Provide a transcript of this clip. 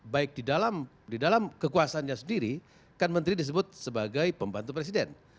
baik di dalam kekuasaannya sendiri kan menteri disebut sebagai pembantu presiden